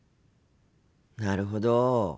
なるほど。